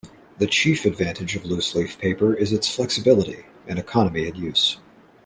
The chief advantage of loose-leaf paper is its flexibility and economy in use.